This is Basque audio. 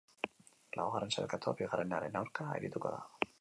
Laugarren sailkatua bigarrenaren aurka arituko da.